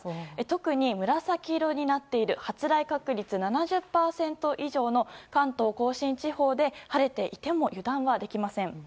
特に紫色になっている発雷確率７０％以上の関東・甲信地方で晴れていても油断はできません。